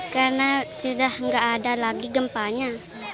karena sudah tidak ada lagi gempanya